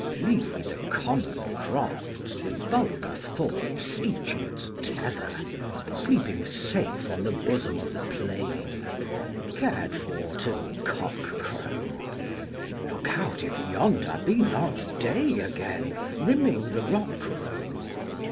Leave we the common crofts, the vulgar thorpes Each in its tether Sleeping safe on the bosom of the plain, 5 Cared for till cock crow; Look out if yonder be not day again Rimming the rock row!